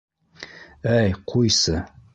- Әй, ҡуйсы.